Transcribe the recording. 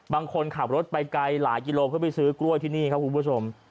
บางคนขับรถไปไกลหลายกิโลเพื่อไปซื้อกล้วยที่นี่ครับคุณผู้ชม